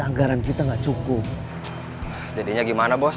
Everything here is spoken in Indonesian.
anggaran kita enggak cukup jadinya gimana bos cari yang lain apa kabar baik udah dapat kerja